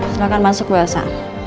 silahkan masuk belsa